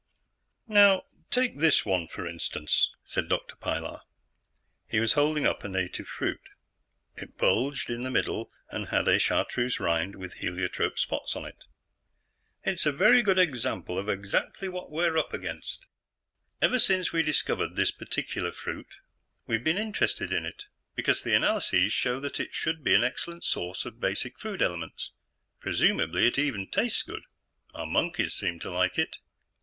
"Now, take this one, for instance," said Dr. Pilar. He was holding up a native fruit. It bulged in the middle, and had a chartreuse rind with heliotrope spots on it. "It's a very good example of exactly what we're up against. Ever since we discovered this particular fruit, we've been interested in it because the analyses show that it should be an excellent source of basic food elements. Presumably, it even tastes good; our monkeys seemed to like it."